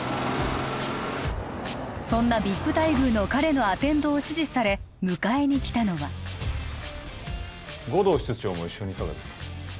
そんなＶＩＰ待遇の彼のアテンドを指示され迎えに来たのは護道室長も一緒にいかがですか？